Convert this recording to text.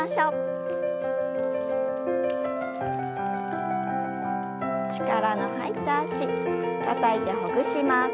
力の入った脚たたいてほぐします。